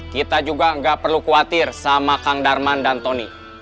kita juga nggak perlu khawatir sama kang darman dan tony